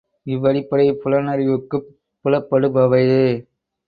இவ்வடிப்படை புலனறிவுக்குப் புலப்படுபவையே.